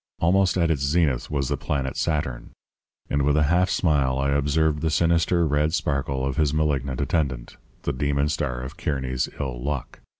Almost at its zenith was the planet Saturn; and with a half smile I observed the sinister red sparkle of his malignant attendant the demon star of Kearny's ill luck.